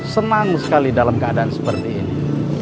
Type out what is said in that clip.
senang sekali dalam keadaan seperti ini